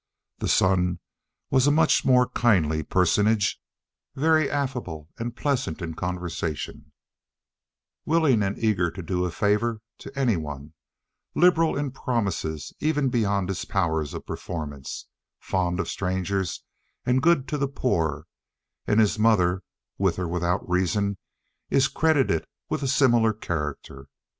The son was a much more kindly personage, very affable and pleasant in conversation, willing and eager to do a favor to any one, liberal in promises even beyond his powers of performance, fond of strangers, and good to the poor; and his mother, with or without reason, is credited with a similar character.